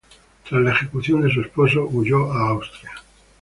Tras la ejecución de su esposo huyó a Austria.